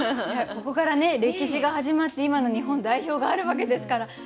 いやここから歴史が始まって今の日本代表があるわけですから。